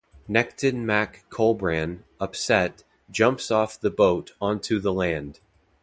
Nechtan Mac Collbran, upset, jumps off the boat onto the land.